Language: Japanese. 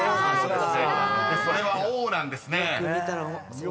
でそれは「Ｏ」なんですね］